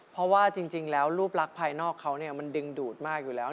เพราะว่าจริงแล้วรูปลักษณ์ภายนอกเขามันดึงดูดมากอยู่แล้ว